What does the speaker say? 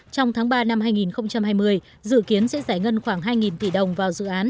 trong tháng ba năm hai nghìn hai mươi dự kiến sẽ giải ngân khoảng hai tỷ đồng vào dự án